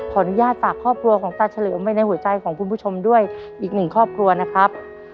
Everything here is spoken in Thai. อนุญาตฝากครอบครัวของตาเฉลิมไว้ในหัวใจของคุณผู้ชมด้วยอีกหนึ่งครอบครัวนะครับ